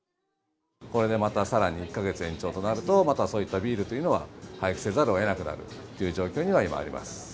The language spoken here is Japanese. これでまたさらに１か月延長となると、また、そういったビールというのは廃棄せざるをえなくなるという状況にはなります。